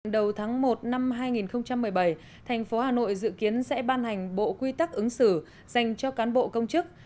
đầu tháng một năm hai nghìn một mươi bảy thành phố hà nội dự kiến sẽ ban hành bộ quy tắc ứng xử dành cho cán bộ công chức